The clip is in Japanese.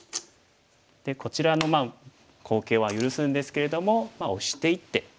でこちらの好形は許すんですけれどもオシていって。